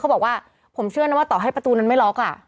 บอกว่าผมเชื่อนะว่าต่อให้ประตูนั้นไม่ล็อกอ่ะ